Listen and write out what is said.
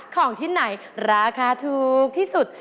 ของชิ้นไหนราคาถูกที่สุด